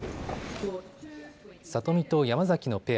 里見と山崎のペア。